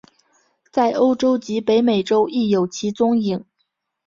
在欧洲及北美洲亦有其踪影。